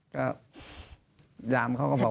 ก็พยายามเขาก็บอกว่าไปแล้ว